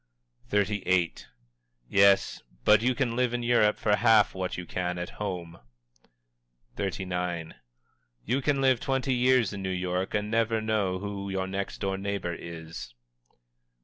XXXVIII. "Yes, but you can live in Europe for half what you can at home." XXXIX. "You can live twenty years in New York and never know who your next door neighbor is."